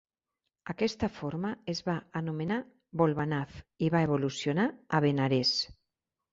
Aquesta forma es va anomenar "bol-banav" i va evolucionar a Benarés.